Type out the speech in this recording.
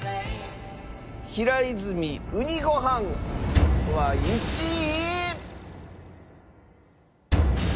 平泉うにごはんは１位。